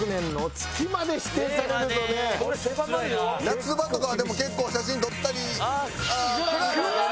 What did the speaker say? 夏場とかはでも結構写真撮ったり。